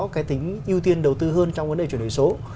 cái tính ưu tiên đầu tư hơn trong vấn đề chuyển đổi số